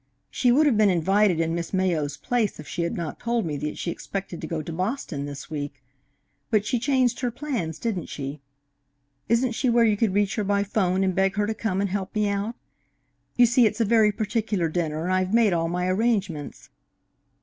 She would have been invited in Miss Mayo's place if she had not told me that she expected to go to Boston this week. But she changed her plans, didn't she? Isn't she where you could reach her by 'phone and beg her to come and help me out? You see, it's a very particular dinner, and I've made all my arrangements."